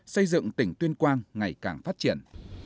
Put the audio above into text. xây dựng tỉnh tuyên quang ngày càng phát triển